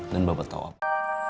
dan bapak tau apa